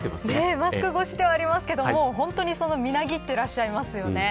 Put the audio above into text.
マスク越しではありますがみなぎっていらっしゃいますね。